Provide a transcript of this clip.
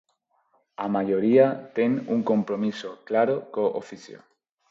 A maioría ten un compromiso claro co oficio.